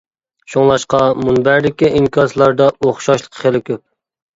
شۇڭلاشقا مۇنبەردىكى ئىنكاسلاردا ئوخشاشلىق خېلى كۆپ.